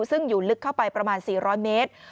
ซึ่งอยู่ลึกเข้าไปประมาณ๔๐๐เมตร